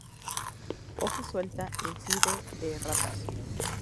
Hoja suelta: Índice de erratas.